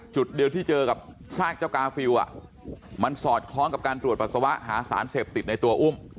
จุดเดียวที่เจอกับซากเจ้ากาฟิลมันสอดคล้องกับการตรวจปัสสาวะหาสารเสพติดในตัวอุ้ม